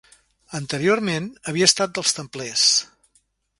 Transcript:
Anteriorment havia estat dels templers.